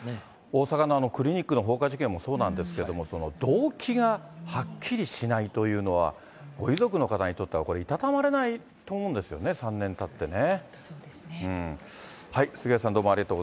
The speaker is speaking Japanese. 大阪のクリニックの放火事件もそうなんですけれども、動機がはっきりしないというのは、ご遺族の方にとっては、これ、いたたまれないと思うんですよね、３年たってね。